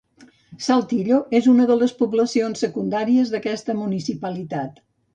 Saltillo és una de les poblacions secundàries d'aquesta municipalitat.